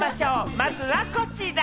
まずはこちら。